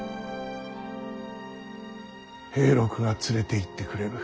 平六が連れていってくれる。